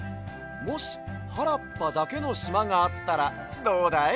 もしはらっぱだけのしまがあったらどうだい？